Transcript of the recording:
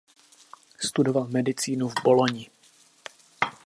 Studoval medicínu v Bologni.